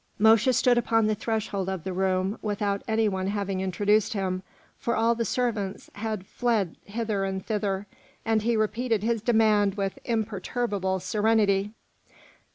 Mosche stood upon the threshold of the room without any one having introduced him, for all the servants had fled hither and thither; and he repeated his demand with imperturbable serenity.